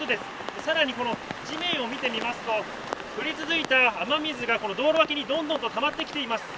さらにこの地面を見てみますと、降り続いた雨水がこの道路脇にどんどんとたまってきています。